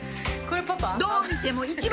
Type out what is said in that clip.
「どう見ても一番！」